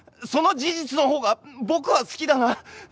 その事実のほうが僕は好きだなあ。